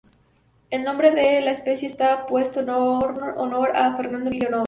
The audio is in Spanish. El nombre de la especie está puesto en honor a Fernando Emilio Novas.